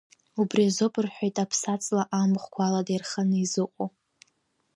Убри азоуп рҳәеит аԥса ҵла амахәқәа алада ирханы изыҟоу.